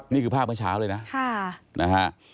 นี่คือภาพเมื่อเช้าเลยนะ